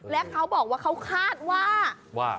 และเขาบอกว่าเขาคาดว่า